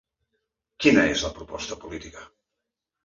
Quina és la proposta política?